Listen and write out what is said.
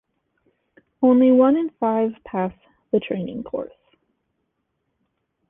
Only one in five pass the training course.